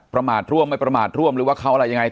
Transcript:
ประมาทร่วมไม่ประมาทร่วมหรือว่าเขาอะไรยังไง